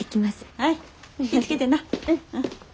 はい気ぃ付けてな。